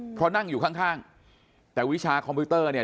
เพราะนั่งอยู่ข้างข้างแต่วิชาคอมพิวเตอร์เนี่ย